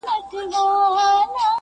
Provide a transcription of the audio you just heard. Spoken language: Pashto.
ټولو په لپو کي سندرې، دې ټپه راوړې